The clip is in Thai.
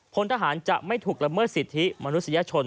พลทหารจะไม่ถูกละเมิดสิทธิมนุษยชน